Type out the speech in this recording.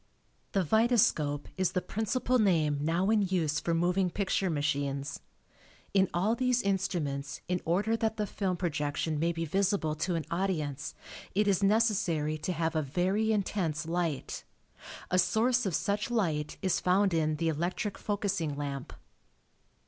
The vitascope is the principal name now in use for moving picture machines. In all these instruments in order that the film projection may be visible to an audience it is necessary to have a very intense light. A source of such light is found in the electric focusing lamp.